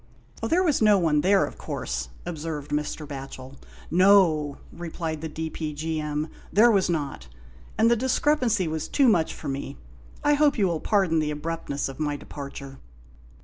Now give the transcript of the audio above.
" There was no one there, of course," observed Mr. Batchel. " No !" replied the D.P.G.M., " there was not ; and the discrepancy was too much for me. I hope you will pardon the abruptness of my departure."